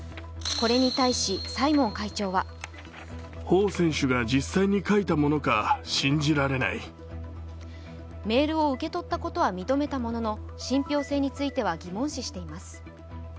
これに対しサイモン会長はメールを受け取ったことは認めたものの信ぴょう性については疑問視しています。